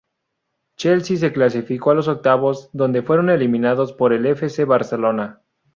Chelsea se clasificó a los octavos, donde fueron eliminados por el F. C. Barcelona.